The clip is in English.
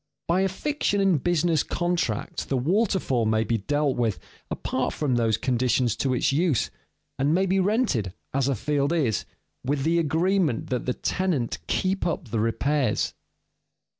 By a fiction in business contracts the waterfall may be dealt with apart from those conditions to its use, and may be rented, as a field is, with the agreement that the tenant keep up the repairs.